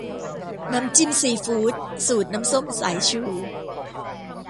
น้ำจิ้มซีฟู้ด สูตรน้ำส้มสายชู